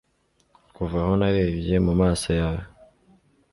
kuva aho narebye mu maso yawe